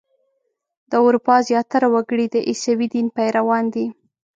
د اروپا زیاتره وګړي د عیسوي دین پیروان دي.